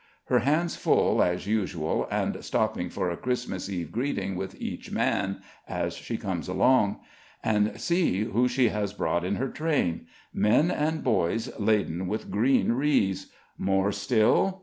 Her hands full, as usual, and stopping for a Christmas Eve greeting with each man, as she comes along. And see who she has brought in her train! Men and boys laden with green wreaths; more still?